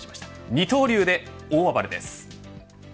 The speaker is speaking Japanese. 二刀流で大暴れです。